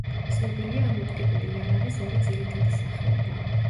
ცნობილია ამ ოპტიკური იარაღის ორი ძირითადი სახეობა.